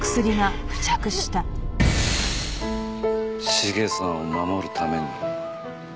茂さんを守るために。